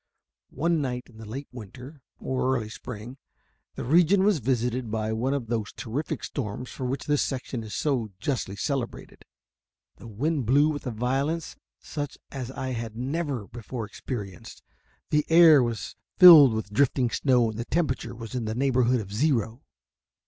One night, in the late winter, or early spring, the region was visited by one of those terrific storms for which this section is so justly celebrated. The wind blew with a violence such as I had never before experienced, the air was filled with drifting snow, and the temperature was in the neighborhood of zero.